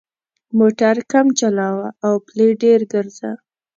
موټر کم چلوه او پلي ډېر ګرځه.